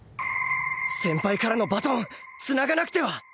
先輩からのバトン繋がなくては！